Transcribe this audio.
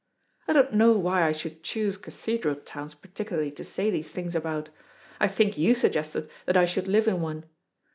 I don't know why I should choose cathedral towns particularly to say these things about. I think you suggested that I should live in one.